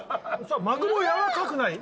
マグロやわらかくない？